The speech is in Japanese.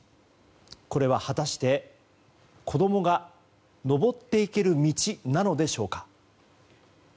これは果たして子供が登っていける道なのでしょうか。